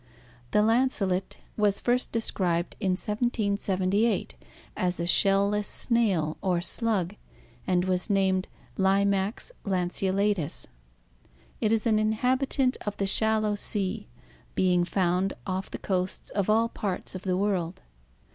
The lancelet was first described in 1778 as a shell less snail or slug, and was named Limax lanceotatus. It is an inhabitant of the shallow sea (see page 71), being found off the coasts of all parts of the world.